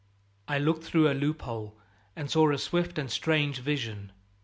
I looked through a loophole and saw a swift and strange vision.